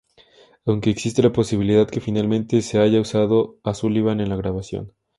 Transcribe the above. Aunque existe la posibilidad que finalmente se haya usado a Sullivan en la grabación.